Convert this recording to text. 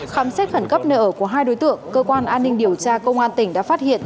khám xét khẩn cấp nơi ở của hai đối tượng cơ quan an ninh điều tra công an tỉnh đã phát hiện